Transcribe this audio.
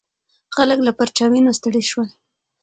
خلک له پرچاوینو ستړي شول.